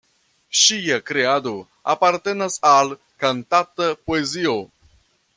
Ŝia kreado apartenas al kantata poezio.